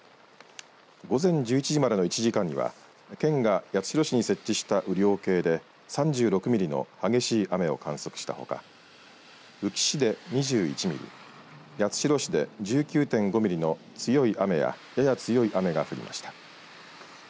午前１１時までの１時間には県が八代市に設置した雨量計で３６ミリの激しい雨を観測したほか宇城市で２１ミリ八代市で１９．５ミリの強い雨ややや強い雨が降りました。